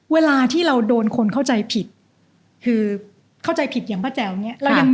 เวลาที่เราโดนคนเข้าใจผิดคือเข้าใจผิดอย่างป้าแจ๋วเนี่ย